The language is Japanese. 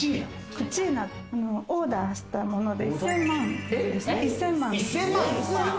オーダーしたもので１０００万。